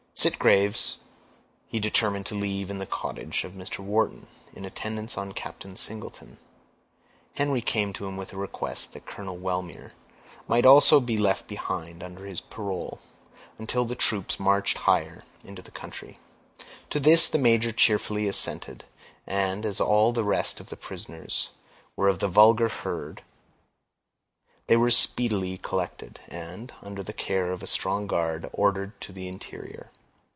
Sitgreaves he determined to leave in the cottage of Mr. Wharton, in attendance on Captain Singleton. Henry came to him with a request that Colonel Wellmere might also be left behind, under his parole, until the troops marched higher into the country. To this the major cheerfully assented; and as all the rest of the prisoners were of the vulgar herd, they were speedily collected, and, under the care of a strong guard, ordered to the interior.